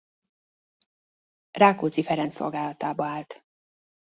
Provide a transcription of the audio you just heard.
Rákóczi Ferenc szolgálatába állt.